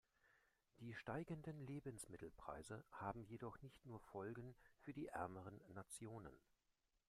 Die steigenden Lebensmittelpreise haben jedoch nicht nur Folgen für die ärmeren Nationen.